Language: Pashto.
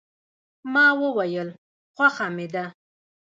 ما وویل، خوښه مې ده.